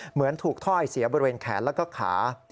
เหมือนถูกถ้อยเสียบริเวณแขนแล้วก็ขา